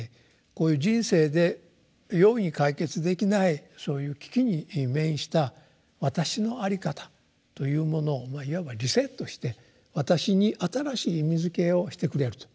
こういう人生で容易に解決できないそういう危機に面した私のあり方というものをいわばリセットして私に新しい意味づけをしてくれると。